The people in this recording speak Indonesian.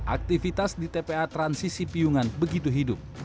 aktivitas di tpa transisi piungan begitu hidup